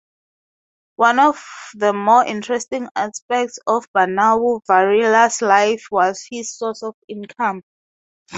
One of the more interesting aspects of Bunau-Varilla's life was his source of income.